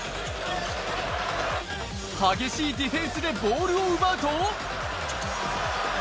激しいディフェンスでボールを奪うと。